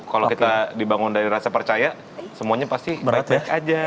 kalo kita dibangun dari rasa percaya semuanya pasti right back aja